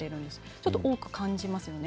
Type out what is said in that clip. ちょっと多く感じますよね